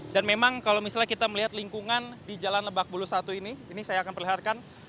dan memang kalau misalnya kita melihat lingkungan di jalan lebak bulus satu ini ini saya akan perlihatkan